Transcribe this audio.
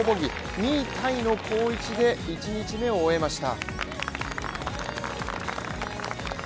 ２位タイの好位置で１日目を終えました。